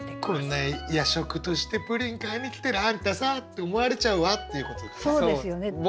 こんな夜食としてプリン買いに来てるあんたさって思われちゃうわっていうことですよね。